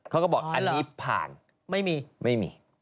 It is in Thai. เขาก็บอกอันนี้ผ่าน